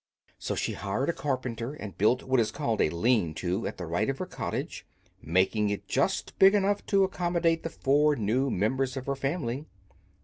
So she hired a carpenter and built what is called a "lean to" at the right of her cottage, making it just big enough to accommodate the four new members of her family.